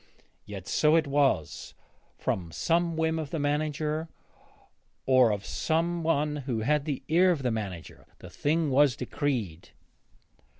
Yet so it was; from some whim of the manager, or of some one who had the ear of the manager, the thing was decreed.